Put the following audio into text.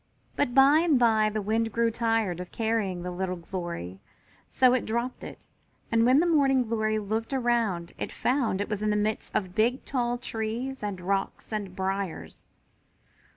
But by and by the wind grew tired of carrying the little Glory, so it dropped it, and when the Morning glory looked around it found it was in the midst of big tall trees and rocks and briers.